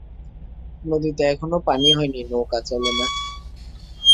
নদীতে এখনো পানি হয়নি, নৌকা, চলে না।